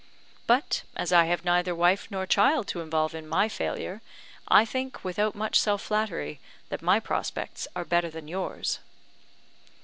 But, as I have neither wife nor child to involve in my failure, I think, without much self flattery, that my prospects are better than yours."